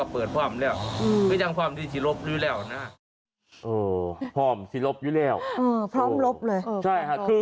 พร่อมลบเลย